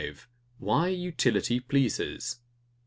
WHY UTILITY PLEASES.